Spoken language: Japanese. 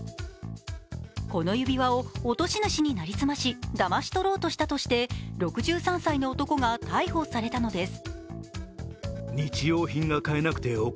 この指輪を落とし主に成り済ましだまし取ろうとしたとして６３歳の男が逮捕されたのです。